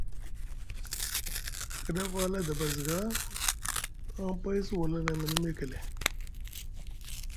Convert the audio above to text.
Kiɗaf a hala edi basga a payasi wala na mini mekele.